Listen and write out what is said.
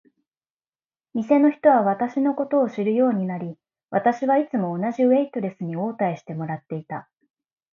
店の人は私のことを知るようになり、私はいつも同じウェイトレスに応対してもらっていた。